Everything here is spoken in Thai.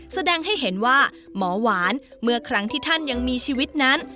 แสดงให้เห็นว่าหมอหวานเมื่อครั้งที่ท่านยังมีชีวิตนั้น